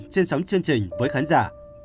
trên sóng chương trình với khán giả